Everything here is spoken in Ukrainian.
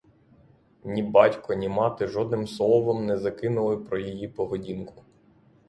Ні батько, ні мати жодним словом не закинули про її поведінку.